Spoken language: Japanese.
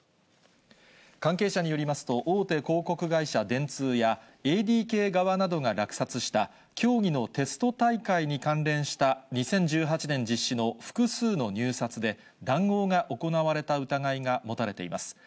関係者によりますと、大手広告会社、電通や、ＡＤＫ側などが落札した、競技のテスト大会に関連した２０１８年実施の複数の入札で、談合が行われた疑いが持たれています。